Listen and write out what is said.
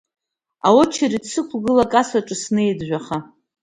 Аочеред сықәгыла акассаҿы снеит жәаха.